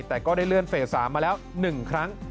แต่ก็ได้เลื่อนเฟส๓มาแล้ว๑ครั้ง